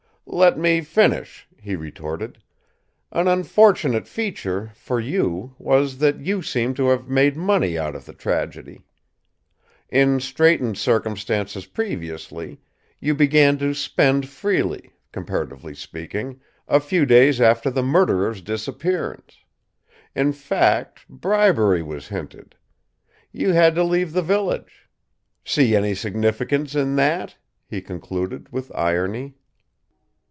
"Let me finish," he retorted. "An unfortunate feature, for you, was that you seemed to have made money out of the tragedy. In straitened circumstances previously, you began to spend freely comparatively speaking a few days after the murderer's disappearance. In fact, bribery was hinted; you had to leave the village. See any significance in that?" he concluded, with irony.